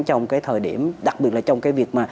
trong cái thời điểm đặc biệt là trong cái việc mà